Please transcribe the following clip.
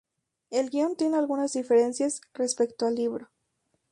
El guion tiene algunas diferencias respecto al libro.